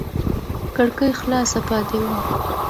کړکۍ خلاصه پاتې وه.